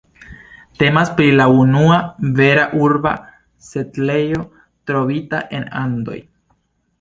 Temas pri la unua vera urba setlejo trovita en Andoj.